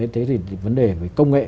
thế thì vấn đề về công nghệ